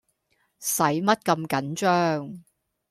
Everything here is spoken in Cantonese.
駛乜咁緊張